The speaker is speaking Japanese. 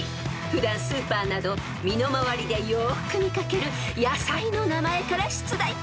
［普段スーパーなど身の回りでよーく見掛ける野菜の名前から出題］